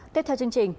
tiếp theo chương trình